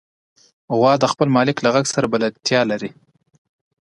غوا د خپل مالک له غږ سره بلدتیا لري.